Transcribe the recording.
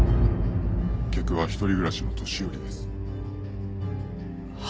客は一人暮らしの年寄りです」は？